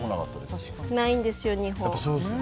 ないんですよ、日本。